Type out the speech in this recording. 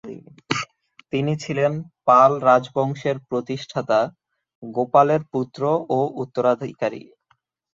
তিনি ছিলেন পাল রাজবংশের প্রতিষ্ঠাতা গোপালের পুত্র ও উত্তরাধিকারী।